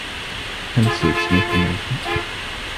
هل السيد سميث أمريكي؟